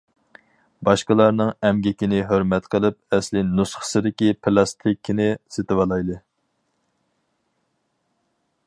باشقىلارنىڭ ئەمگىكىنى ھۆرمەت قىلىپ ئەسلى نۇسخىدىكى پىلاستىنكىنى سېتىۋالايلى!